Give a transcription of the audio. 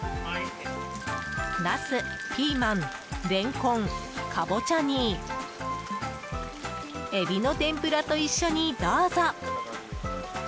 ナス、ピーマン、レンコンカボチャにエビの天ぷらと一緒にどうぞ。